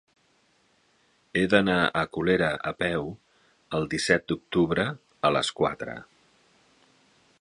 He d'anar a Colera a peu el disset d'octubre a les quatre.